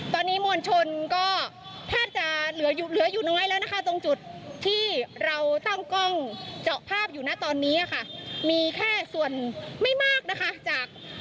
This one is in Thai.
ตอนนี้หมวณชนก็แทบจะเหลืออยู่เลืออยู่น้อยแล้วนะคะ